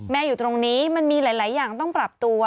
อยู่ตรงนี้มันมีหลายอย่างต้องปรับตัว